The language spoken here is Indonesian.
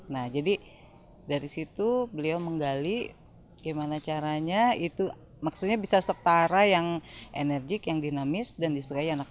nah jadi dari situ beliau menggali gimana caranya itu maksudnya bisa setara yang enerjik yang dinamis dan disukai anak anak